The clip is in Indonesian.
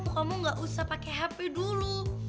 kamu gak usah pakai hp dulu